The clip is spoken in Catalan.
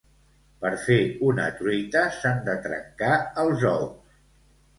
Per fer una truita s'han de trencar els ous